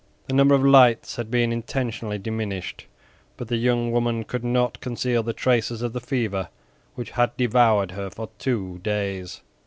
The number of lights had been intentionally diminished, but the young woman could not conceal the traces of the fever which had devoured her for two days.